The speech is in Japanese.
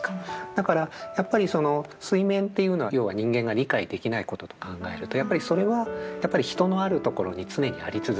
だからやっぱりその水面というのは要は人間が理解できないことと考えるとやっぱりそれは人のあるところに常にあり続ける。